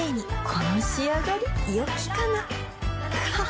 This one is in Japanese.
この仕上がりよきかなははっ